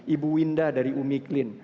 ibu winda dari umi clean